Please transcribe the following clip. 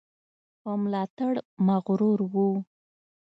په ملاتړ مغرور وو.